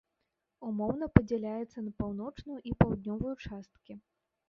Умоўна падзяляецца на паўночную і паўднёвую часткі.